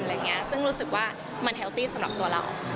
อะไรอย่างนี้ซึ่งรู้สึกว่ามันแฮลตี้สำหรับตัวเรา